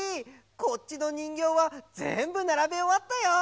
こっちのにんぎょうはぜんぶならべおわったよ！